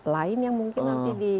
lain yang mungkin nanti di